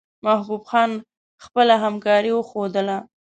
محبوب خان خپله همکاري وښودله.